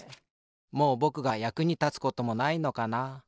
もうぼくがやくにたつこともないのかな。